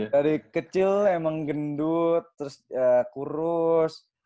dari kecil emang gendut terus kurus